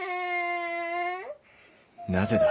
なぜだ？